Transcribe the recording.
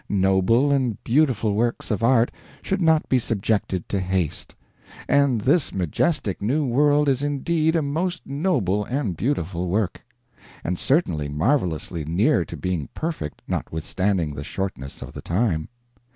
Noble and beautiful works of art should not be subjected to haste; and this majestic new world is indeed a most noble and beautiful work. And certainly marvelously near to being perfect, notwithstanding the shortness of the time.